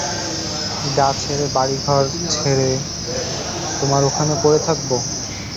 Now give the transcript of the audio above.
গাঁ ছেড়ে বাড়িঘর ছেড়ে তোমার ওখানে পড়ে থাকব?